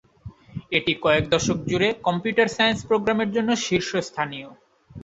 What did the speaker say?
এটি কয়েক দশক জুড়ে কম্পিউটার সায়েন্স প্রোগ্রামের জন্য শীর্ষস্থানীয়।